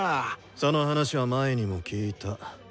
その話は前にも聞いた。